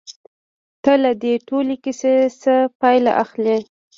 ته له دې ټولې کيسې څه پايله اخلې؟